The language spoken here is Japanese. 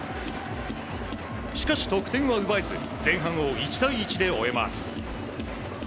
しかし得点は奪えず前半を１対１で終えます。